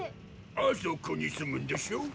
あそこに住むんでしょ？